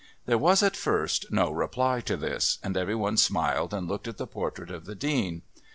There was at first no reply to this and every one smiled and looked at the portrait of the Dean.